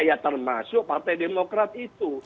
ya termasuk partai demokrat itu